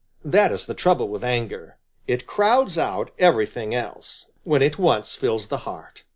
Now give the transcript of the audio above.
That is the trouble with anger. It crowds out everything else, when it once fills the heart.